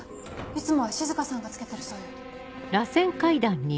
いつもは静歌さんが付けてるそうよ。